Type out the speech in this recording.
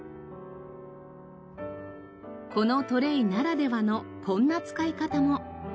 このトレイならではのこんな使い方も。